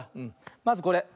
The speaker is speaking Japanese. まずこれ。